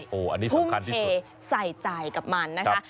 อันนี้สำคัญที่สุดใส่ใจกับมันนะคะ